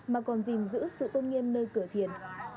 mà còn gìn giữ sự tôn nghiêm nơi cửa thiền